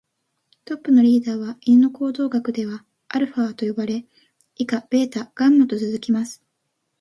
トップのリーダーは犬の行動学ではアルファと呼ばれ、以下ベータ、ガンマと続きます。